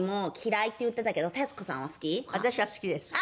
私は好きです。